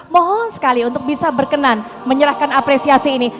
mohon sekali untuk bisa berkenan menyerahkan apresiasi ini